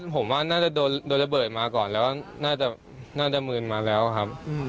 ผมว่าน่าจะโดนระเบิดมาก่อนแล้วน่าจะมืนมาแล้วครับ